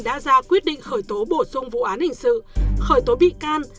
đã ra quyết định khởi tố bổ sung vụ án hình sự khởi tố bị can